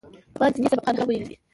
ما ديني سبقان هم ويلي دي.